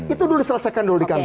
itu dulu diselesaikan dulu di kami